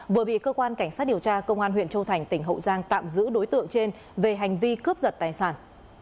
vừa bị cơ quan cảnh sát điều tra công an huyện châu thành tỉnh hậu giang tạm giữ đối tượng trên về hành vi cướp giật tài sản